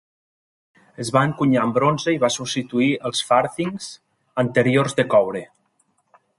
Es va encunyar en bronze i va substituir els farthings anteriors de coure.